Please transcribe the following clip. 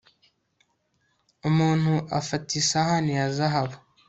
Umuntu afata isahani ya zahabu